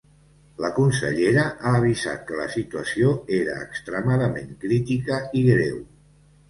La consellera ha avisat que la situació era ‘extremadament crítica i greu’.